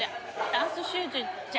「ダンスシューズじゃ！」